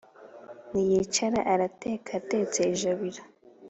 Ntiyicara arateka Atetse ijabiro